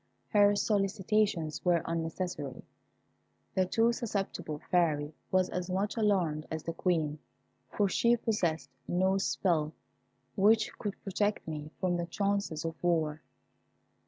Her solicitations were unnecessary. The too susceptible Fairy was as much alarmed as the Queen, for she possessed no spell which could protect me from the chances of war.